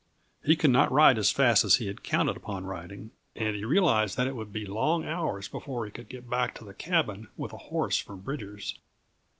He could not ride as fast as he had counted upon riding, and he realized that it would be long hours before he could get back to the cabin with a horse from Bridger's.